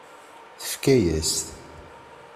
Tefka-yas-t.